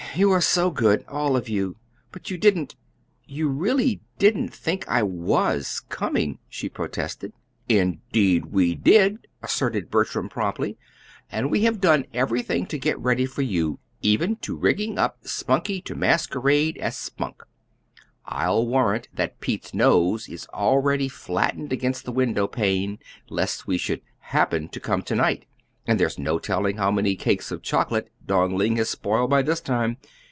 "You are so good, all of you! But you didn't you really didn't think I WAS coming!" she protested. "Indeed we did," asserted Bertram, promptly; "and we have done everything to get ready for you, too, even to rigging up Spunkie to masquerade as Spunk. I'll warrant that Pete's nose is already flattened against the window pane, lest we should HAPPEN to come to night; and there's no telling how many cakes of chocolate Dong Ling has spoiled by this time.